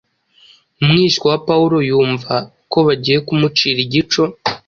Mwishywa wa Pawulo yumva ko bagiye kumucira igico,